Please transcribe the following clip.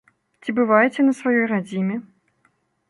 Ці бываеце на сваёй радзіме?